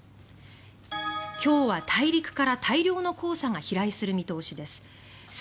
今日は大陸から大量の黄砂が飛来する見通しです。